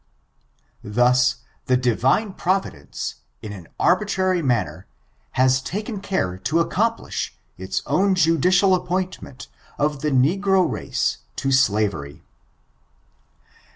Thus the Di^e Providence^ in an arbitrary manner, has ta ken care to accomplish its own judicial appointment 6{ the negro race to slavery.